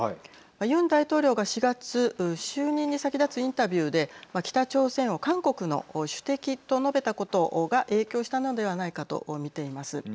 ユン大統領が４月就任に先立つインタビューで北朝鮮を韓国の主敵と述べたことが影響したのではないかと見ています。